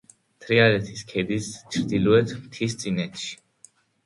თრიალეთის ქედის ჩრდილოეთ მთისწინეთში.